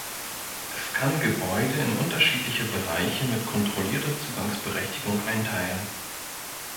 Es kann Gebäude in unterschiedliche Bereiche mit kontrollierter Zugangsberechtigung einteilen.